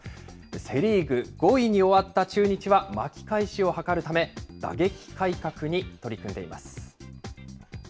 セ・リーグ５位に終わった中日は巻き返しを図るため、打撃改革に取り組んでいます。